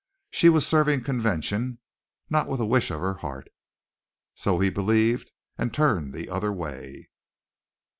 She was serving convention, not with a wish of her heart. So he believed, and turned the other way.